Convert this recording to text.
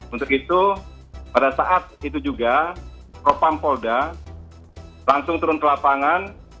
untuk itu pada saat itu juga propam polda langsung turun ke lapangan